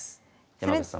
山口さん